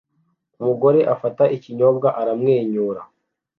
Umugore afata ikinyobwa aramwenyura